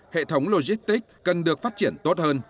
hệ thống logistic cần được phát triển tốt hơn